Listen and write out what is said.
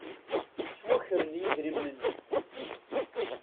Ttwakren yidrimen-nni.